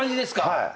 はい。